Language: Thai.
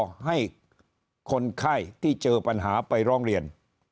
ก็ให้คนไข้ที่เจอปัญหาไปร้องเรียน